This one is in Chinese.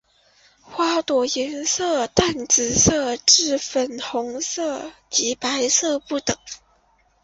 花朵颜色由淡紫色至粉红色及白色不等。